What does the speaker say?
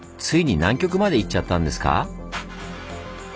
ついに南極まで行っちゃったんですか？